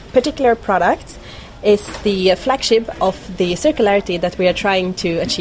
produk ini adalah flagship dari cirkularitas yang kita inginkan mencapai